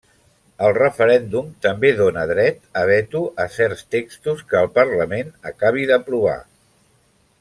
El referèndum també dóna dret a veto a certs textos que el Parlament acabi d'aprovar.